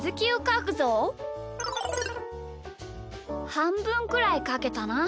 はんぶんくらいかけたな。